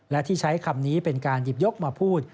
และที่ใช้คำนี้เป็นการหยิบยกมาพูด